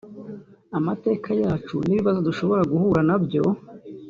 amateka yacu n’ibibazo dushobora guhura na byo